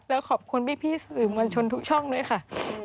แล้วขอบคุณพี่สื่อมวลชนทุกช่องด้วยค่ะ